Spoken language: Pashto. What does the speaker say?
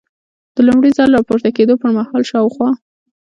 د لومړي ځل را پورته کېدو پر مهال شاوخوا.